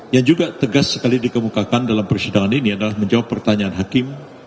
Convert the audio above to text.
yang juga tegas sekali dikemukakan dalam persidangan ini adalah menjawab pertanyaan hakim